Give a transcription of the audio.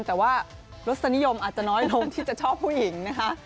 แต่ว่ารสนิยมอาจจะน้อยลงที่จะชอบผู้หญิงนะคะ